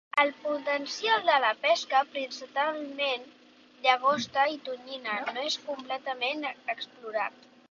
El potencial de la pesca, principalment llagosta i tonyina no és completament explorat.